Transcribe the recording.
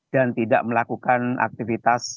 dan tidak melakukan aktivitas